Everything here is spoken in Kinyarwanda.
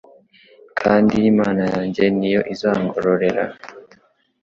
kandi Imana yanjye ni yo izangororera.